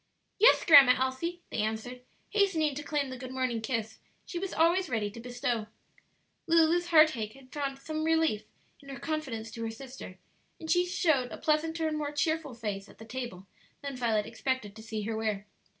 "Yes, Grandma Elsie," they answered, hastening to claim the good morning kiss she was always ready to bestow. Lulu's heartache had found some relief in her confidence to her sister, and she showed a pleasanter and more cheerful face at the table than Violet expected to see her wear.